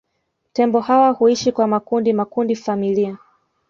Tembo hawa huishi kwa makundi makundi familia